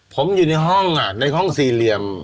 ผมอยู่ตรงห้องอะเหลคห้อง๔เหลียม